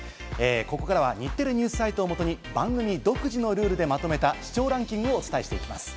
ここからは日テレＮＥＷＳサイトを元に番組独自のルールでまとめた視聴ランキングをお伝えします。